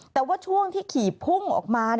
แต่ว่าช่วงที่ขี่พุ่งออกมา